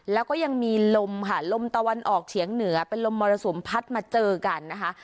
แล้วก็ยังมีลมค่ะลมตะวันออกเฉียงเหนือเป็นลมมรสุมพัดมาเจอกันนะคะ